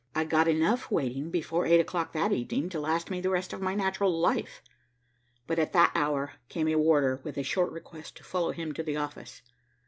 I got enough waiting before eight o'clock that evening to last me the rest of my natural life, but at that hour came a warder with a short request to follow him to the office.